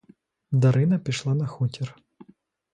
Дарина пішла на хутір.